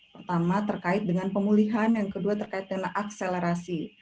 pertama terkait dengan pemulihan yang kedua terkait dengan akselerasi